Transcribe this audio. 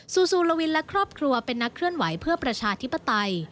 ซูซูลวินและครอบครัวเป็นนักเคลื่อนไหวเพื่อประชาธิปไตย